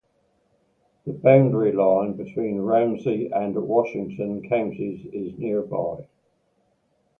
The boundary line between Ramsey and Washington counties is nearby.